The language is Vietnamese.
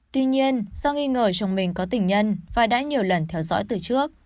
tuy nhiên do nghi ngờ chồng mình có tình nhân và đã nhiều lần theo dõi từ trước